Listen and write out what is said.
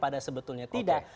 pada sebetulnya tidak